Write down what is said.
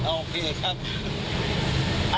โอเคครับ